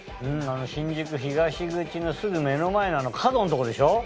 新宿東口のすぐ目の前のあの角のとこでしょ？